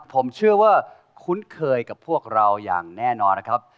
ผมเชื่อว่าคุ้นเคยกับพวกเราอย่างแน่นอนนะครับ